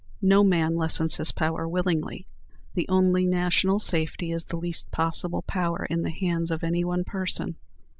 No man lessens his power willingly. The only national safety is the least possible power in the hands of any one person.